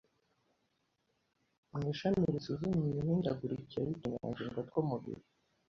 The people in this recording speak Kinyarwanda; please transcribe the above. mu ishami risuzuma imihindagurikire y'utunyangingo tw'umubiri